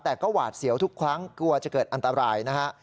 แต่ก็หวาดเสียวทุกครั้งกลัวจะเกิดอันตรายนะฮะ